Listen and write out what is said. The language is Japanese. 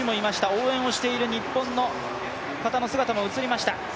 応援をしている日本の方の姿も映りました。